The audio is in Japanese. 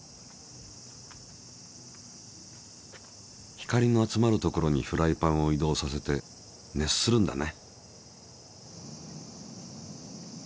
光の集まる所にフライパンを移動させて熱するんだね。